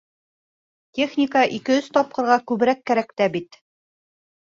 Техника ике-өс тапҡырға күберәк кәрәк тә бит...